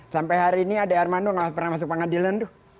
sampai hari ini ade armando nggak pernah masuk pengadilan tuh